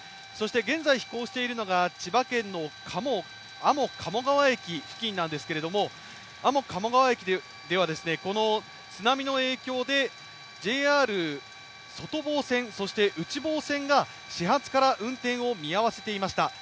そして現在飛行しているのが千葉県の安房鴨川駅付近なんですけれども、あも鴨川駅ではこの津波の影響で、ＪＲ外房線そして内房線が始発から運転を見合わせていました。